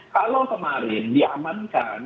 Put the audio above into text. kalau kemarin diamankan